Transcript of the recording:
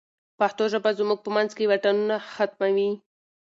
پښتو ژبه زموږ په منځ کې واټنونه ختموي.